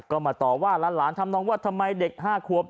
ก็มาต่อว่าหลานทำน้องว่าทำไมเด็ก๕ขวบ